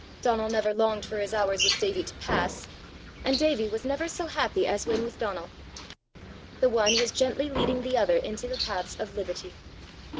Donal never longed for his hours with Davie to pass, and Davie was never so happy as when with Donal. The one was gently leading the other into the paths of liberty.